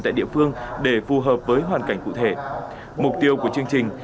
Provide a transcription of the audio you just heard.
tại địa phương để phù hợp với hoàn cảnh cụ thể mục tiêu của chương trình